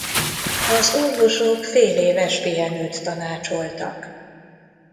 Az orvosok féléves pihenőt tanácsoltak.